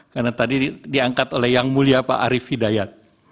karena tadi diangkat oleh yang mulia pak arief hidayat